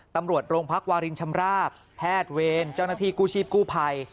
ตำรวจโรงพักวารินชำราบแพทย์เวรเจ้าหน้าที่กู้ชีพกู้ภัย